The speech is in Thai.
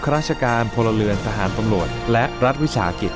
ราชการพลเรือนทหารตำรวจและรัฐวิสาหกิจ